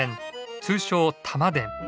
通称玉電。